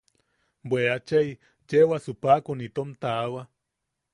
–¡Bwe achai! Cheewasu paʼakun itom tawa.